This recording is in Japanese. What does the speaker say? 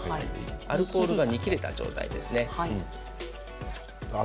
アルコールが煮きれた状態ですね。